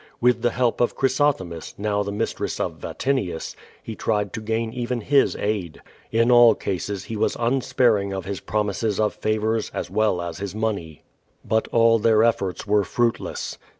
With tlie help of Clirysotliemis, now the mistress of A^itinius, he tried to gain even his aid. In all case« he was nnsi)aring of his promise^; of favors as well as his money. But all their effoi ts were fruitless.